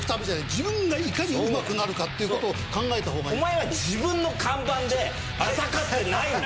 自分がいかにうまくなるかっていう事を考えた方がいい。